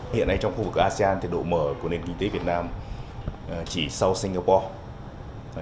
hiện nay trong khu vực asean thì độ mở của nền kinh tế việt nam chỉ sau singapore